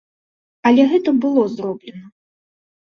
Але гэта было зроблена!